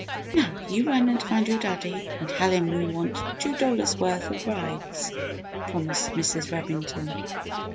"Now, you run and find your Daddy and tell him we want two dollars' worth of rides!" promised Mrs. Remington.